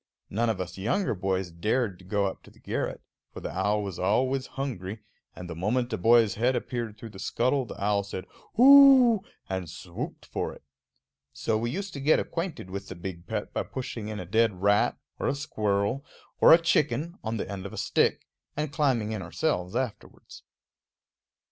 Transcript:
None of us younger boys dared go up to the garret, for the owl was always hungry, and the moment a boy's head appeared through the scuttle the owl said Hoooo! and swooped for it. So we used to get acquainted with the big pet by pushing in a dead rat, or a squirrel, or a chicken, on the end of a stick, and climbing in ourselves afterwards.